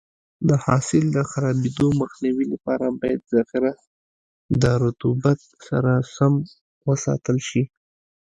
د حاصل د خرابېدو مخنیوي لپاره باید ذخیره د رطوبت سره سم وساتل شي.